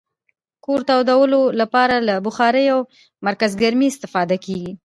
د کور تودولو لپاره له بخارۍ او مرکزګرمي استفاده کیږي.